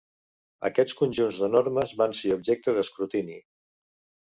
Aquests conjunts de normes van ser objecte d'escrutini.